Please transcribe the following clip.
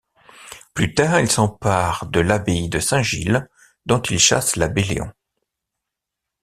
Plus tard, il s'empare de l'abbaye de Saint-Gilles dont il chasse l'abbé Léon.